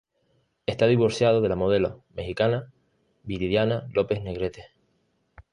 Está divorciado de la modelo mexicana Viridiana López Negrete.